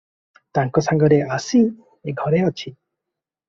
ତାଙ୍କ ସାଂଗରେ ଆସି ଏହି ଘରେ ଅଛି ।"